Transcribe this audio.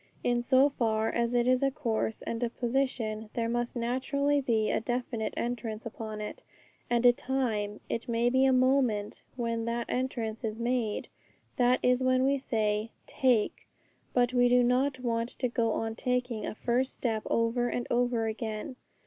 In so far as it is a course and a position, there must naturally be a definite entrance upon it, and a time, it may be a moment, when that entrance is made. That is when we say, 'Take'; but we do not want to go on taking a first step over and over again.